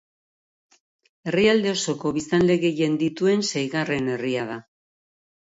Herrialde osoko biztanle gehien dituen seigarren herria da.